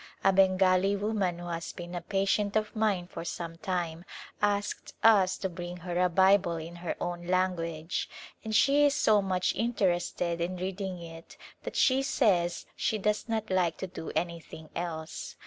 A Bengali woman who has been a patient of mine for some time asked us to bring her a Bible in her own language, and she is so much interested in reading it that she says she does not like to do any thing else.